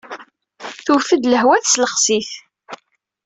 Tewwet-d lehwa teslexes-it.